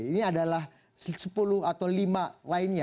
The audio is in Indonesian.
ini adalah sepuluh atau lima lainnya